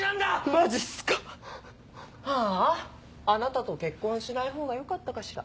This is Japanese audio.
マジっすか⁉あああなたと結婚しないほうがよかったかしら。